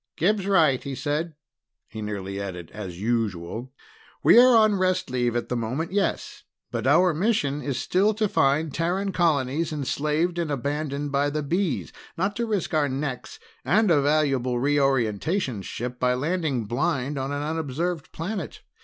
"Gib's right," he said. He nearly added as usual. "We're on rest leave at the moment, yes, but our mission is still to find Terran colonies enslaved and abandoned by the Bees, not to risk our necks and a valuable Reorientations ship by landing blind on an unobserved planet.